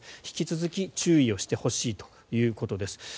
引き続き注意をしてほしいということです。